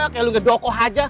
kayak lu gak doko aja